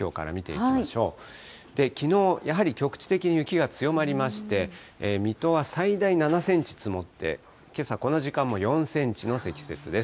きのう、やはり局地的に雪が強まりまして、水戸は最大７センチ積もって、けさ、この時間も４センチの積雪です。